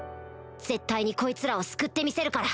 絶対にこいつらを救ってみせるから